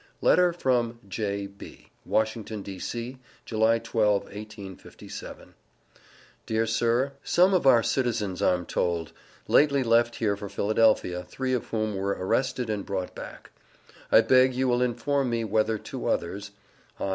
LETTER FROM "J.B." WASHINGTON, D.C., July 12, 1857. DEAR SIR: Some of our citizens, I am told, lately left here for Philadelphia, three of whom were arrested and brought back. I beg you will inform me whether two others (I.